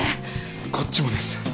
こっちもです。